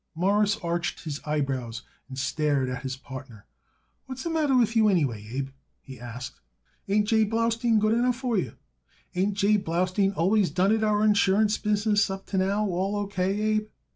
Morris arched his eyebrows and stared at his partner. "What's the matter with you, anyway, Abe?" he asked. "Ain't J. Blaustein good enough for you? Ain't J. Blaustein always done it our insurance business up to now all O. K., Abe?